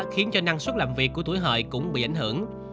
khiến cho năng suất làm việc của tuổi hời cũng bị ảnh hưởng